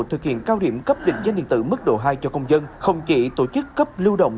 thực hiện cao điểm cấp định danh điện tử mức độ hai cho công dân không chỉ tổ chức cấp lưu động